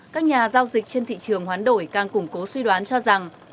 các nhà giao dịch trên thị trường hoán đổi càng củng cố suy đoán cho rằng